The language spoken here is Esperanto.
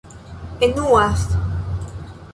enuas